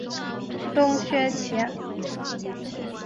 洞穴奇案。